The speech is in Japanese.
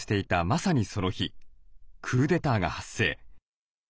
まさにその日クーデターが発生。